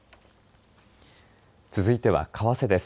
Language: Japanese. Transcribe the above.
続いては為替です。